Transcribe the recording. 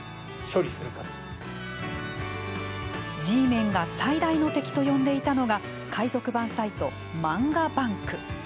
Ｇメンが最大の敵と呼んでいたのが海賊版サイト、漫画ＢＡＮＫ。